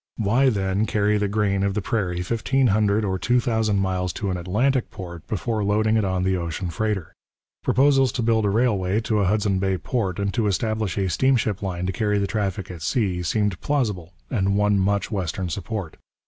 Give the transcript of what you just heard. Why, then, carry the grain of the prairie fifteen hundred or two thousand miles to an Atlantic port before loading it on the ocean freighter? Proposals to build a railway to a Hudson Bay port and to establish a steamship line to carry the traffic at sea seemed plausible and won much western support.